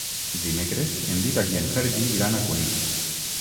Dimecres en Dídac i en Sergi iran a Cunit.